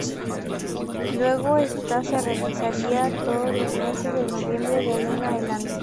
Luego esta se realizaría todos los meses de noviembre de ahí en adelante.